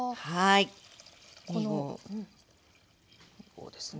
こうですね